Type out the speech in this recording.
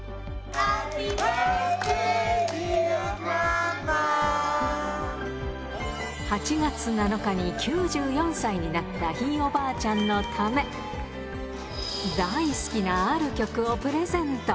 ハッピーバースデー・ディア８月７日に９４歳になったひいおばあちゃんのため、大好きなある曲をプレゼント。